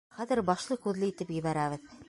Хәҙер башлы-күҙле итеп ебәрәбеҙ.